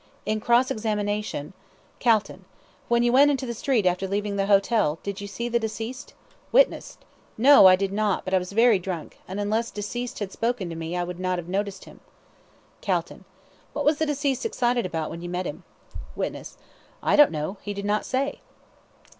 In cross examination: CALTON: When you went into the street, after leaving the hotel, did you see the deceased? WITNESS: No, I did not; but I was very drunk, and unless deceased had spoken to me, I would not have noticed him. CALTON: What was deceased excited about when you met him? WITNESS: I don't know. He did not say.